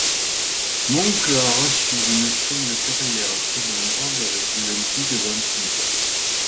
Monclar assure une fin de carrière très honorable avec l'Olympique d'Antibes.